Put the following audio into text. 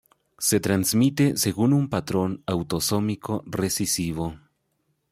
Se transmite según un patrón autosómico recesivo.